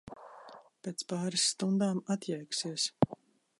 Pēc pāris stundām atjēgsies.